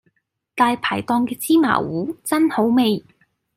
大排檔嘅芝麻糊真好味